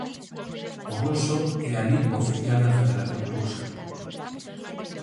O ruso é a lingua oficial da Federación Rusa.